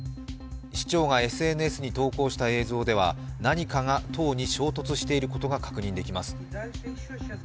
市長がＳＮＳに投稿した映像では、何かが塔に衝突していることが確認できます。